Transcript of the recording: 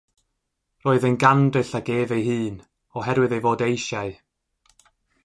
Roedd yn gandryll ag ef ei hun oherwydd ei fod eisiau.